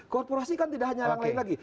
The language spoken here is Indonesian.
korporasi kan tidak hanya orang lain lagi